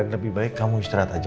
lebih baik kamu istirahat aja